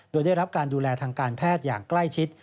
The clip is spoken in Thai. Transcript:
โดยได้รับการดูแลทางการแพทย์อย่างใกล้ชิด